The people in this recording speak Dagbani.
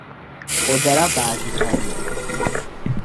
O dala baaji palli.